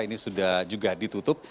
ini sudah juga ditutup